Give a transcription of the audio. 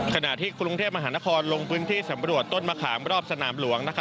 ขณะที่กรุงเทพมหานครลงพื้นที่สำรวจต้นมะขามรอบสนามหลวง